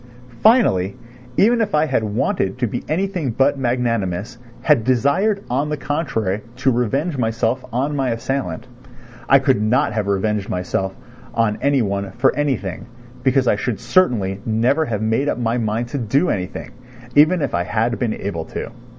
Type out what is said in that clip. Finally, even if I had wanted to be anything but magnanimous, had desired on the contrary to revenge myself on my assailant, I could not have revenged myself on any one for anything because I should certainly never have made up my mind to do anything, even if I had been able to.